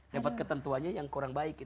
dapat ketentuannya yang kurang baik